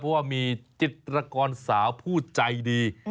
เพราะว่ามีจิตรกรสาวผู้ใจดี